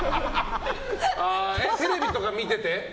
テレビとか見てて？